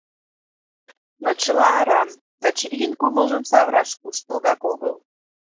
Но чыла арам, Качырийын кумылжым савыраш куштылгак огыл.